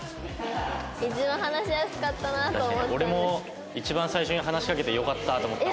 俺も一番最初に話しかけてよかったと思った。